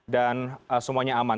dan semuanya aman